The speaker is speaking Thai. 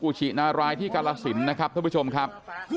ชินารายที่กาลสินนะครับท่านผู้ชมครับ